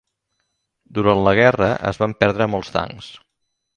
Durant la guerra es van perdre molts tancs.